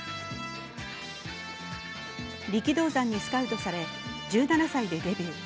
力道山にスカウトされ、１７歳でデビュー。